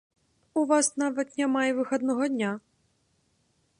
У нас нават і няма выхаднога дня.